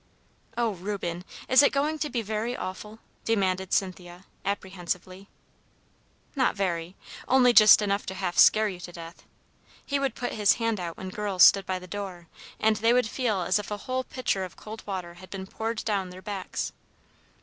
"Oh, Reuben! is it going to be very awful?" demanded Cynthia, apprehensively. "Not very. Only just enough to half scare you to death! He would put his hand out when girls stood by the door, and they would feel as if a whole pitcher of cold water had been poured down their backs.